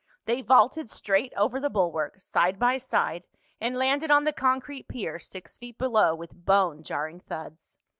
They vaulted straight over the bulwark, side by side, and landed on the concrete pier six feet below with bone jarring thuds.